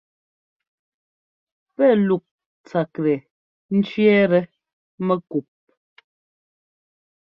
Pɛ́ luk tsaklɛ cwiɛ́tɛ mɛkup.